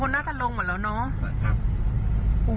น่าจะลงหมดแล้วเนาะ